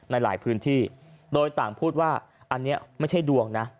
ในหลายพื้นที่โดยต่างพูดว่าอันนี้ไม่ใช่ดวงนะ